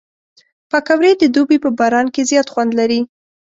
پکورې د دوبي په باران کې زیات خوند لري